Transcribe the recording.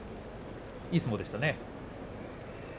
いい相撲でしたね。